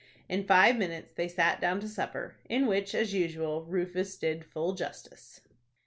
In five minutes they sat down to supper, in which, as usual, Rufus did full justice.